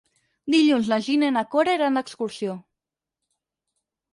Dilluns na Gina i na Cora iran d'excursió.